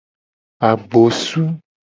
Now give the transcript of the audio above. Agbosu.